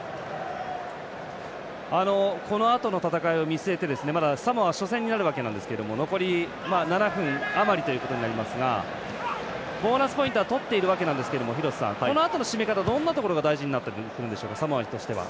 このあとの戦いを見据えてまだサモア初戦になるわけですけど残り７分あまりということになりますがボーナスポイントは取っているわけなんですけど廣瀬さん、このあとの締め方どんなところが大事になってくるんでしょうかサモアとしては。